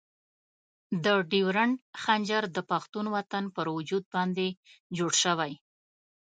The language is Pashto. د ډیورنډ خنجر د پښتون وطن پر وجود باندې جوړ شوی.